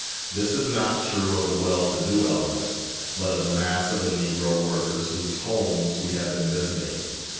This is not true of the well to do element, but of the mass of the Negro workers whose homes we have been visiting.